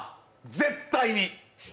絶対に。